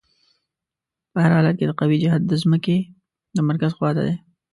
په هر حالت کې د قوې جهت د ځمکې د مرکز خواته دی.